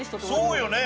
そうよね！